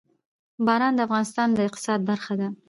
باران د افغانستان د اقتصاد برخه ده.